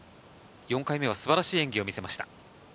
４回目の素晴らしい演技を見せました。